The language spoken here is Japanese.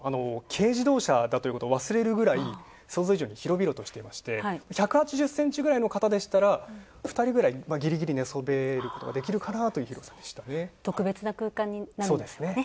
軽自動車だということを忘れるぐらい想像以上に広々としていまして、１８０ｃｍぐらいの方でしたら２人ぐらいぎりぎり寝そべることができるかなという広さでしたね。